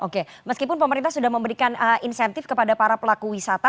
oke meskipun pemerintah sudah memberikan insentif kepada para pelaku wisata